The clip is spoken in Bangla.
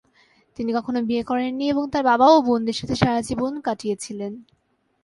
তিনি কখনও বিয়ে করেন নি এবং তাঁর বাবা ও বোনদের সাথে সারাজীবন জীবন কাটিয়েছিলেন।